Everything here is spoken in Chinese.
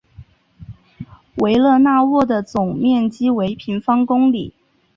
维勒讷沃的总面积为平方公里。